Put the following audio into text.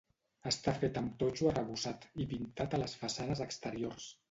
Està fet amb totxo arrebossat i pintat a les façanes exteriors.